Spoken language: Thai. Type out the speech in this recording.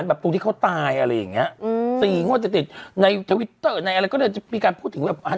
ตรงที่เขาตายอะไรอย่างเงี้ยอืมสี่งวดจะติดในทวิตเตอร์ในอะไรก็เลยมีการพูดถึงแบบ